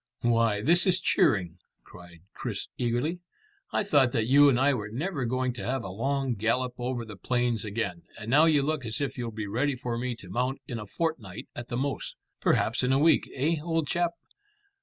"Why, this is cheering," cried Chris eagerly. "I thought that you and I were never going to have a long gallop over the plains again, and now you look as if you'll be ready for me to mount in a fortnight at the most perhaps in a week, eh, old chap?